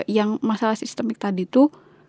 yang masalah sistemik tadi itu